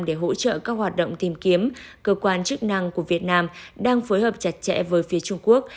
để hỗ trợ các hoạt động tìm kiếm cơ quan chức năng của việt nam đang phối hợp chặt chẽ với phía trung quốc